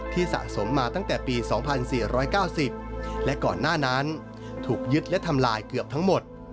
สะสมมาตั้งแต่ปี๒๔๙๐และก่อนหน้านั้นถูกยึดและทำลายเกือบทั้งหมด